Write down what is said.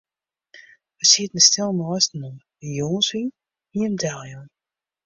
Wy sieten stil neistinoar, de jûnswyn hie him deljûn.